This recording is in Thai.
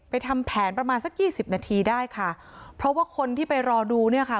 ทำแผนประมาณสักยี่สิบนาทีได้ค่ะเพราะว่าคนที่ไปรอดูเนี่ยค่ะ